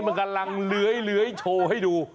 มันกำลังเลื้อยโชว์ให้ดู